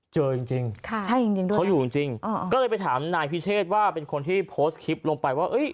เจอจริงจริงเขาอยู่จริงจริงก็เลยไปถามนายพิเศษว่าเป็นคนที่โพสต์คลิปลงไปว่า